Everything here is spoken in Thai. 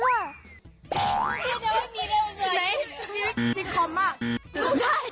แกไม่มีเรื่องอยู่เหรอไหนสิบคอมบ้าง